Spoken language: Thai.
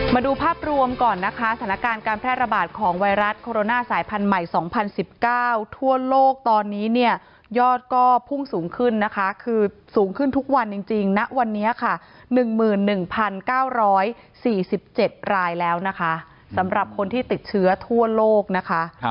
มาดูภาพรวมก่อนนะคะสถานการณ์การแพร่ระบาดของไวรัสโคโรนาสายพันธุ์ใหม่๒๐๑๙ทั่วโลกตอนนี้เนี่ยยอดก็พุ่งสูงขึ้นนะคะคือสูงขึ้นทุกวันจริงณวันนี้ค่ะ๑๑๙๔๗รายแล้วนะคะสำหรับคนที่ติดเชื้อทั่วโลกนะคะ